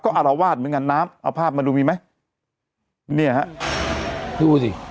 อารวาสเหมือนกันน้ำเอาภาพมาดูมีไหมเนี่ยฮะดูสิ